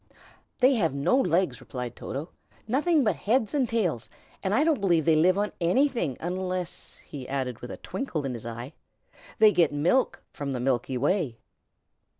"They have no legs," replied Toto, "nothing but heads and tails; and I don't believe they live on anything, unless," he added, with a twinkle in his eye, "they get milk from the milky way."